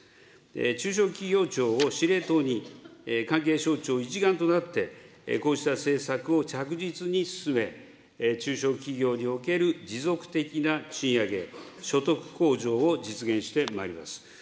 中小企業庁を司令塔に、関係省庁一丸となって、こうした政策を着実に進め、中小企業における持続的な賃上げ、所得控除を実現してまいります。